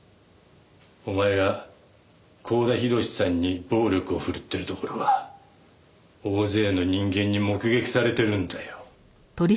お前が光田廣さんに暴力をふるってるところは大勢の人間に目撃されてるんだよ。